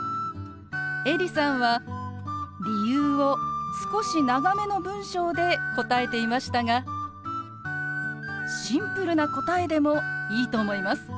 エリさんは理由を少し長めの文章で答えていましたがシンプルな答えでもいいと思います。